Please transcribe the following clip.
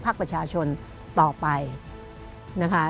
คนทำงานทางประชาชนต่อไป